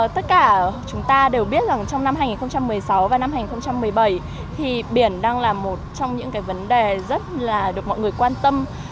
tất cả chúng ta đều biết rằng trong năm hai nghìn một mươi sáu và năm hai nghìn một mươi bảy thì biển đang là một trong những vấn đề rất là được mọi người quan tâm